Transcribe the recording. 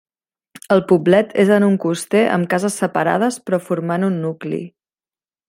El poblet és en un coster amb cases separades, però formant un nucli.